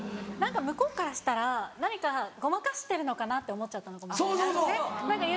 向こうからしたら何かごまかしてるのかなって思っちゃったのかもしれないですね。